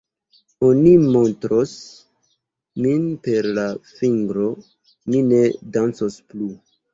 Oni montros min per la fingro; mi ne dancos plu.